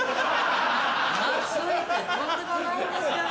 懐いて飛んでかないんですけど！